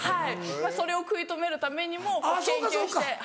それを食い止めるためにも研究して。